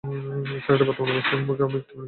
ছেলেটির বর্তমান অবস্থা সম্পর্কে আপনি কি কিছু জানেন?